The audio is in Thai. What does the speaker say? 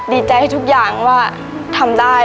ดีใจทุกอย่างว่าทำได้